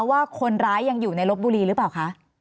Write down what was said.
ว่าคนร้ายยังอยู่ในลบบุรีหรือเปล่าคะ